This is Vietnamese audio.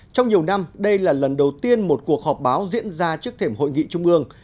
trong nhiều năm đây là lần đầu tiên một cuộc họp báo diễn ra trước thềm hội nghị trung ương